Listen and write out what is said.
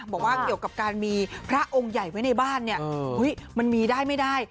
บอกว่าเกี่ยวกับการมีพระองค์ใหญ่ไว้ในบ้านเนี่ยมันมีได้ไม่ได้